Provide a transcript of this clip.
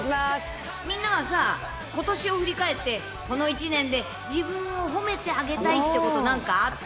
みんなはさ、ことしを振り返って、この１年で自分を褒めてあげたいってこと、なんかあった？